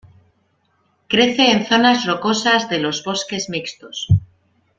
Crece en zonas rocosas de los bosques mixtos.